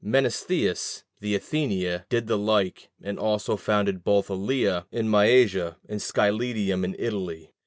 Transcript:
Menestheus, the Athenian, did the like, and also founded both Elæa in Mysia and Scylletium in Italy.